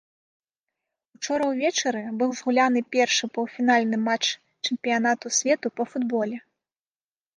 Учора ўвечары быў згуляны першы паўфінальны матч чэмпіянату свету па футболе.